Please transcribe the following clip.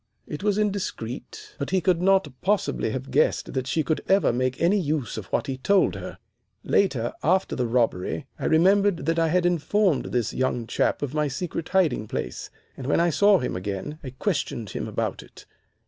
"It was indiscreet, but he could not possibly have guessed that she could ever make any use of what he told her. "Later, after the robbery, I remembered that I had informed this young chap of my secret hiding place, and when I saw him again I questioned him about it.